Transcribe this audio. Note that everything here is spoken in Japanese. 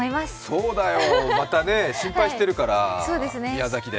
そうだよ、また心配してるから、宮崎で。